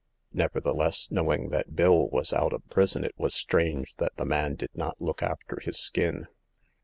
Nevertheless, know ing that Bill was out of prison, it was strange that the man did not look after his skin.